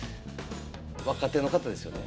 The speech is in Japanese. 若手の方ですよね？